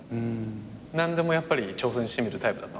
何でもやっぱり挑戦してみるタイプだったの？